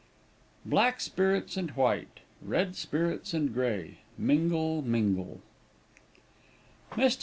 "Black spirits and white, Red spirits and grey, Mingle, mingle" MR.